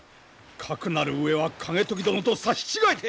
かくなる上は景時殿と刺し違えて。